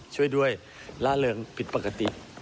ช่วยด้วยล่าเริงผิดปกติ